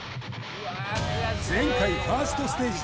前回ファーストステージ